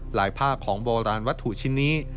ผ้าของโบราณวัตถุชิ้นนี้